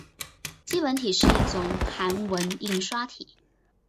基本体是一种韩文印刷体。